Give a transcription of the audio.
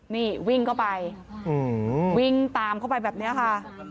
นี่วิ่งเข้าไปวิ่งตามเข้าไปแบบนี้ค่ะ